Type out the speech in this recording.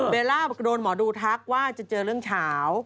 เวลาโดนหมอดูทักว่าจะเจอเรื่องเฉา